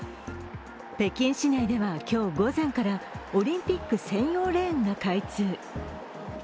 北京市内では今日午前からオリンピック専用レーンが開通。